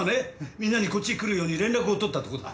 みんなにこっち来るように連絡をとったとこだ。